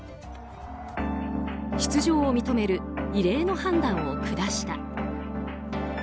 出場を認める異例の判断を下した。